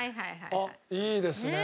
あっいいですね。